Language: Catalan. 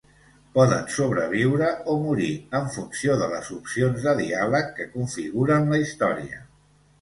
Poden sobreviure o morir en funció de les opcions de diàleg que configuren la història.